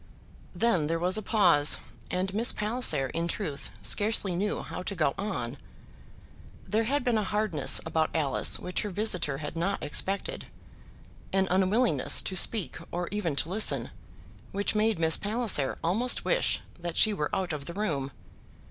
Then there was a pause, and Miss Palliser, in truth, scarcely knew how to go on. There had been a hardness about Alice which her visitor had not expected, an unwillingness to speak or even to listen, which made Miss Palliser almost wish that she were out of the room.